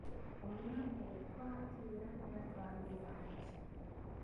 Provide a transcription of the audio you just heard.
Olunaku olwo twakeera era twaliwo bangi.